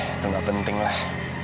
itu gak penting lah